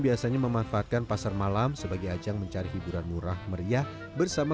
biasanya memanfaatkan pasar malam sebagai ajang mencari hiburan murah meriah bersama